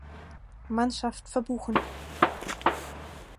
Mannschaft verbuchen.